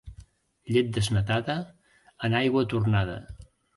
Llet desnatada, en aigua tornada.